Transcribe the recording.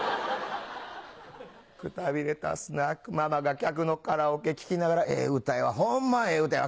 くたびれたスナックママが客のカラオケ聴きながら「ええ歌やわホンマええ歌やわ。